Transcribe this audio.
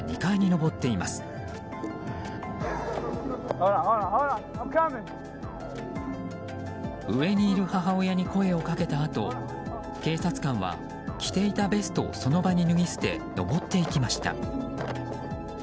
上にいる母親に声をかけたあと警察官は着ていたベストをその場に脱ぎ捨て上っていきました。